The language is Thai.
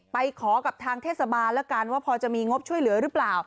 ไปขอกับทางเทศบาลแล้วกันว่าพอจะมีงบช่วยเหลือหรือเปล่า